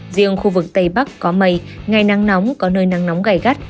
riêng khu vực tây bắc có mây ngày nắng nóng có nơi nắng nóng gai gắt